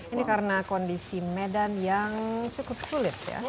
ini karena kondisi medan yang cukup sulit ya